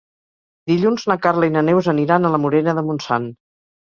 Dilluns na Carla i na Neus aniran a la Morera de Montsant.